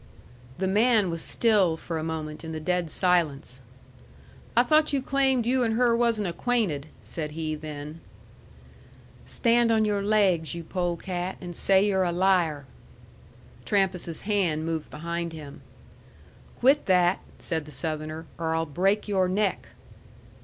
The man was still for a moment in the dead silence. "I thought you claimed you and her wasn't acquainted," said he then. "Stand on your laigs, you polecat, and say you're a liar!" Trampas's hand moved behind him. "Quit that," said the Southerner, "or I'll break your neck!"